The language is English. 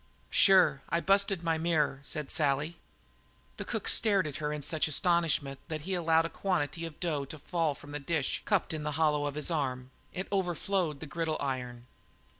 "Sure; I busted my mirror," said Sally. The cook stared at her in such astonishment that he allowed a quantity of dough to fall from the dish cupped in the hollow of his arm; it overflowed the griddle iron.